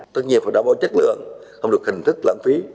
tất nhiên phải đảm bảo chất lượng không được hình thức lãng phí